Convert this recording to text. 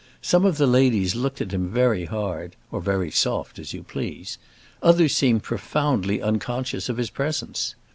Some of the ladies looked at him very hard—or very soft, as you please; others seemed profoundly unconscious of his presence.